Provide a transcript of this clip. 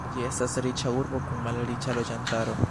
Ĝi estas riĉa urbo kun malriĉa loĝantaro.